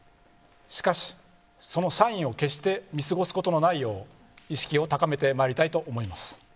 しかし、そのサインを決して見過ごすことのないよう意識を高めて参りたいと思います。